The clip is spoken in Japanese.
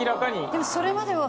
でもそれまでは。